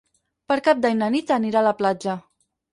Per Cap d'Any na Nit anirà a la platja.